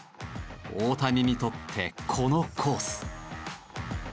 大谷にとってこのコース。